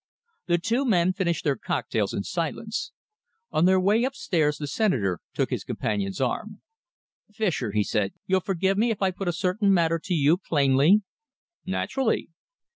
The two men finished their cocktails in silence. On their way upstairs the Senator took his companion's arm. "Fischer," he said, "you'll forgive me if I put a certain matter to you plainly?" "Naturally!"